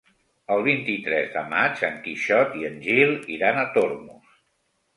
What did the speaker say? El vint-i-tres de maig en Quixot i en Gil iran a Tormos.